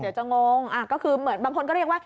เดี๋ยวจะงงก็คือเหมือนบางคนก็เรียกว่า